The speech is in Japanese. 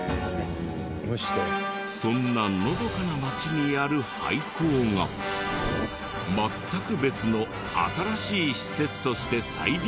そんなのどかな町にある廃校が全く別の新しい施設として再利用を。